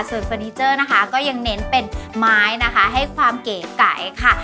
ส่วนเฟอร์นิเจอร์นะคะก็ยังเน้นเป็นไม้นะคะให้ความเก๋ไก่ค่ะ